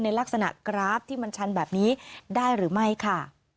ในลักษณะกราฟที่มันชันแบบนี้ได้หรือไม่ค่ะ